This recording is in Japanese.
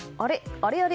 あれあれ？